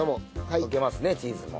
溶けますねチーズも。